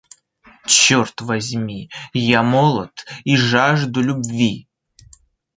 Черт возьми, я молод и жажду любви!